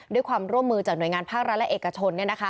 ด้วยความร่วมมือจากหน่วยงานภาครัฐและเอกชน